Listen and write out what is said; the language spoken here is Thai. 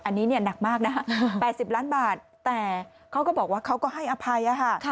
อันนี้เนี่ยหนักมากนะฮะ๘๐ล้านบาทแต่เขาก็บอกว่าเขาก็ให้อภัยค่ะ